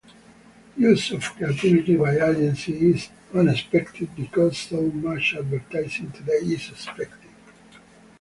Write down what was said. Use of creativity by agencies is "unexpected" because so much advertising today is expected.